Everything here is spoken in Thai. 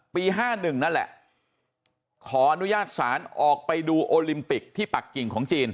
๕๑นั่นแหละขออนุญาตศาลออกไปดูโอลิมปิกที่ปักกิ่งของจีน